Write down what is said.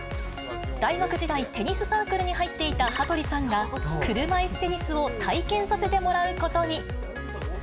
大学時代、テニスサークルに入っていた羽鳥さんが、車いすテニスを体験させてもらうことに。